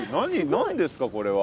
何ですかこれは。